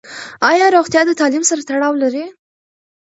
ایا روغتیا د تعلیم سره تړاو لري؟